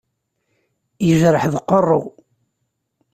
Yejreḥ deg uqerru.